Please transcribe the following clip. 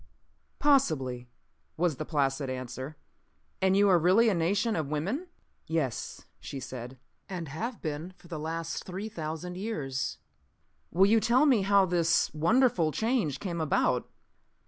"Possibly," was the placid answer. "And you are really a nation of women?" "Yes," she said. "And have been for the last three thousand years." "Will you tell me how this wonderful change came about?"